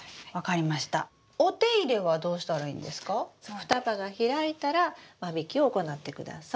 双葉が開いたら間引きを行ってください。